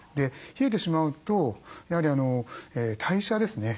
冷えてしまうとやはり代謝ですね